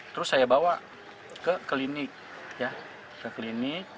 terus saya bawa ke klinik ke klinik dokter umum